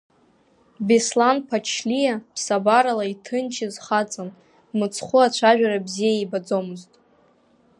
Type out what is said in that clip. Беслан Ԥачалиа ԥсабарала иҭынчыз хаҵан, мыцхәы ацәажәара бзиа ибаӡомызт.